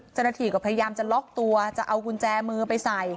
เจ้าหน้าที่ก็พยายามจะล็อกตัวจะเอากุญแจมือไปใส่